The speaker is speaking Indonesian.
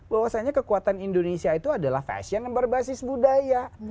bahwasannya kekuatan indonesia itu adalah fashion yang berbasis budaya